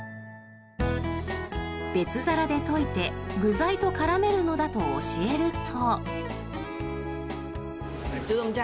別皿で溶いて具材と絡めるのだと教えると。